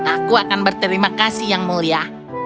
aku akan berterima kasih yang mulia